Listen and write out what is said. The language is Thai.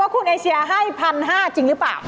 คุณเอเชียให้๑๕๐๐จริงหรือเปล่า